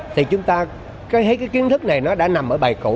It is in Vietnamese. thì chúng ta thấy cái kiến thức này nó đã nằm ở bài cũ